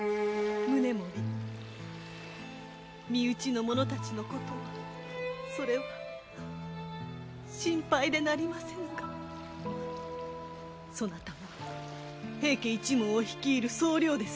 宗盛身内の者たちのことはそれは心配でなりませぬがそなたは平家一門を率いる総領ですよ。